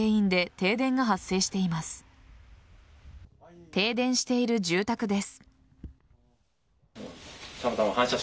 停電している住宅です。